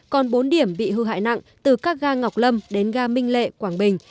còn bốn điểm bị hư hại nặng từ các ga ngọc lâm đến ga minh lệ quảng bình